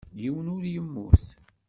Yiwen ur yemmut.